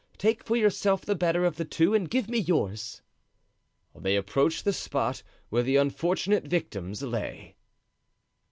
Take for yourself the better of the two and give me yours." They approached the spot where the unfortunate victims lay.